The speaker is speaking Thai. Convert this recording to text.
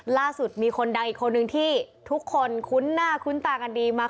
ล่าสุดมีคนดังอีกคนนึงที่ทุกคนคุ้นหน้าคุ้นตากันดีมาก